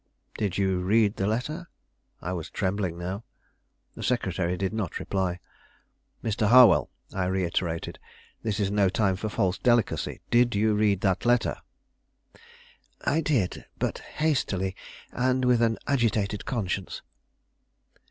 "Did you read the letter?" I was trembling now. The secretary did not reply. "Mr. Harwell," I reiterated, "this is no time for false delicacy. Did you read that letter?" "I did; but hastily, and with an agitated conscience."